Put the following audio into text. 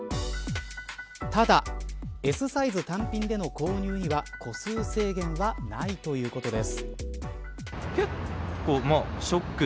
ただＳサイズ単品での購入には個数制限はないということです。